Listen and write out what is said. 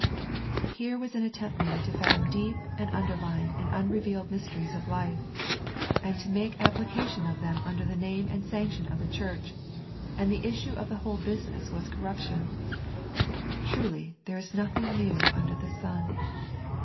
Here was an attempt made to fathom deep and underlying and unrevealed mysteries of life. 122 A First Century Message and to make application of them under the name and sanction of the church, and the issue of the whole business was corruption. Truly there is nothing new under the sun.